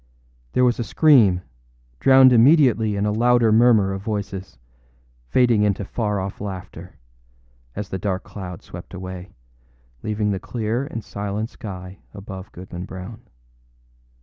There was a scream, drowned immediately in a louder murmur of voices, fading into far off laughter, as the dark cloud swept away, leaving the clear and silent sky above Goodman Brown.